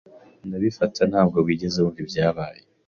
Ndabifata ntabwo wigeze wumva ibyabaye.